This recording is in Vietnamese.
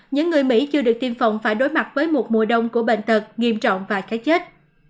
những người mỹ chưa được tiêm phòng phải đối mặt với một mùa đông của bệnh tật nghiêm trọng và cái chết